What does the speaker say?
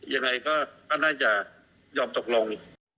ยังไงก็น่าจะยอมตกลง